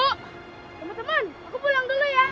teman teman aku pulang dulu ya